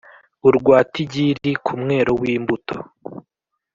urwa Tigiri ku mwero w’imbuto;